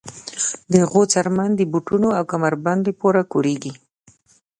د غوا څرمن د بوټانو او کمر بند لپاره کارېږي.